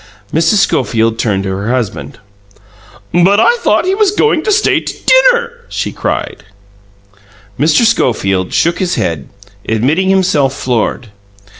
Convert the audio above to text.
Mrs. Schofield turned to her husband. "But I thought he was going to stay to dinner!" she cried. Mr. Schofield shook his head, admitting himself floored.